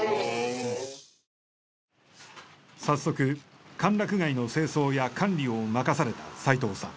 早速歓楽街の清掃や管理を任された斉藤さん。